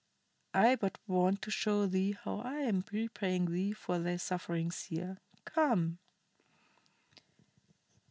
I but want to show thee how I am repaying thee for thy sufferings here. Come."